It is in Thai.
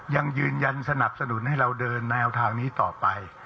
ยังยืนยันสนับสนุนให้เราเดินแนวทางนี้ต่อไป